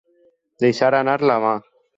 Deixar anar la mà.